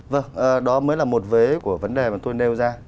vâng đó mới là một vế của vấn đề mà tôi nêu ra